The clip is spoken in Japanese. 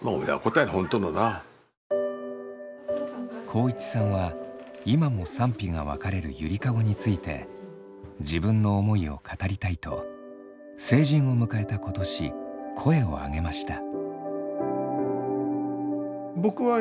航一さんは今も賛否が分かれるゆりかごについて自分の思いを語りたいと成人を迎えた今年声を上げました。